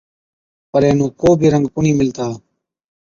پَر اينهُون ڪو بِي رنگ ڪونهِي مِلتا۔